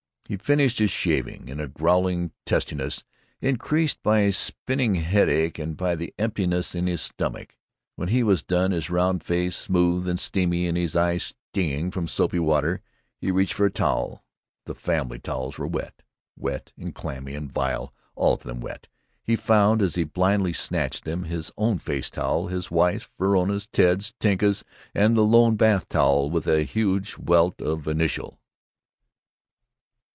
He finished his shaving in a growing testiness increased by his spinning headache and by the emptiness in his stomach. When he was done, his round face smooth and streamy and his eyes stinging from soapy water, he reached for a towel. The family towels were wet, wet and clammy and vile, all of them wet, he found, as he blindly snatched them his own face towel, his wife's, Verona's, Ted's, Tinka's, and the lone bath towel with the huge welt of initial.